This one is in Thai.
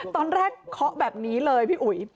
เคาะแบบนี้เลยพี่อุ๋ย